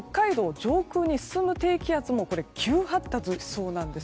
上空に進む低気圧も急発達しそうなんです。